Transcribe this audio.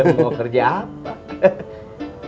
mau kerja apa